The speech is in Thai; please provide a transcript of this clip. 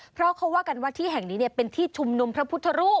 เพราะเขาว่ากันว่าที่แห่งนี้เป็นที่ชุมนุมพระพุทธรูป